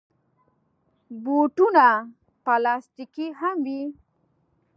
بوټونه پلاستيکي هم وي.